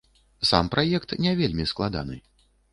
Сам праект не вельмі складаны.